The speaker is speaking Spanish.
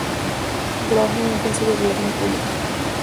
Más tarde, trabajó en una agencia de relaciones públicas.